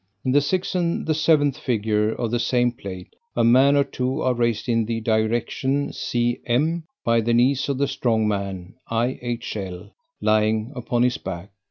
In the 6th and 7th Fig. of the same plate, a man or two are raised in the direction CM, by the knees of the strong man IHL lying upon his back.